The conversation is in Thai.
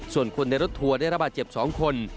ส่วนคนในรถทัวร์ได้ระบาดเจ็บ๒คน